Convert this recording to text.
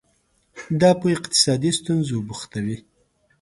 دا په اقتصادي ستونزو بوختوي.